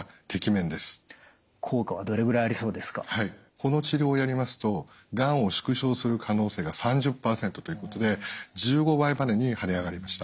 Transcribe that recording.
この治療をやりますとがんを縮小する可能性が３０％ということで１５倍までに跳ね上がりました。